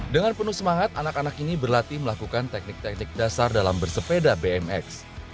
dengan penuh semangat anak anak ini berlatih melakukan teknik teknik dasar dalam bersepeda bmx